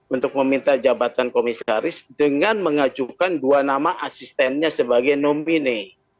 untuk meminta jabatan komisaris dengan mengajukan dua nama asistennya sebagai nompine